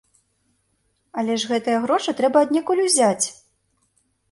Але ж гэтыя грошы трэба аднекуль узяць!